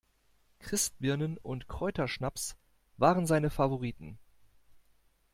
Christbirnen und Kräuterschnaps waren seine Favoriten.